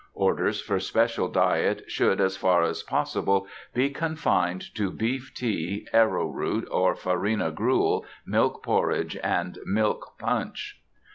Orders for special diet should, as far as possible, be confined to beef tea, arrow root or farina gruel, milk porridge, and milk punch.